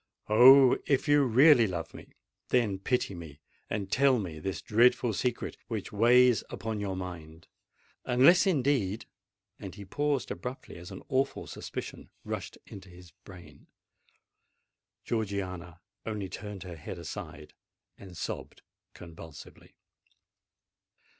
Oh! if you really love me—then pity me, and tell me this dreadful secret which weighs upon your mind! Unless, indeed——" And he paused abruptly, as an awful suspicion rushed into his brain. Georgiana only turned her head aside, and sobbed convulsively.